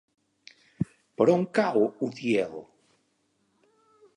Per on cau Utiel?